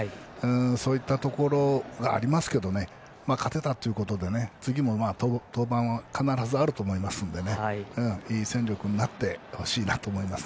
そういったところがありますけど勝てたということで次も登板は必ずあると思いますので、いい戦力になってほしいなと思います。